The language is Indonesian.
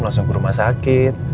langsung ke rumah sakit